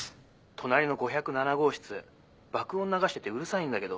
☎隣の５０７号室爆音流しててうるさいんだけど。